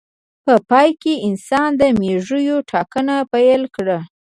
په پای کې انسان د مېږو ټاکنه پیل کړه.